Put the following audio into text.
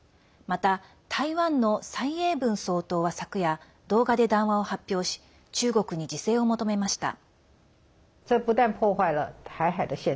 また、台湾の蔡英文総統は昨夜動画で談話を発表し中国に自制を求めました。